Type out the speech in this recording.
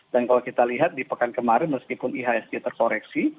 dan kalau kita lihat di pekan kemarin meskipun ihsg terkoreksi